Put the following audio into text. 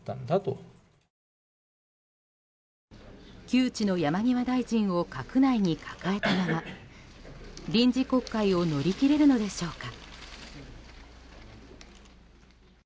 窮地の山際大臣を閣内に抱えたまま臨時国会を乗り切れるのでしょうか。